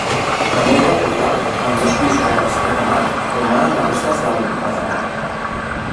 Damunt del portal -amb dos pisos alts i remat- romanen les restes del matacà.